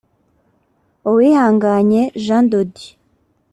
Uwihanganye Jean de Dieu